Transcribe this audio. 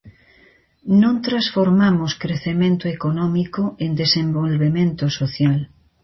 Non transformamos crecemento económico en desenvolvemento social.